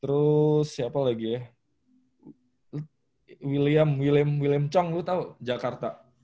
terus siapa lagi ya william william william chong lu tahu jakarta